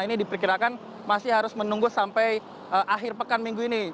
ini diperkirakan masih harus menunggu sampai akhir pekan minggu ini